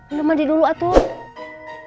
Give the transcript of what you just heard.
undang mandi dulu atul